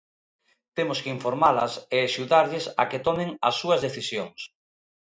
Temos que informalas e axudarlles a que tomen as súas decisións.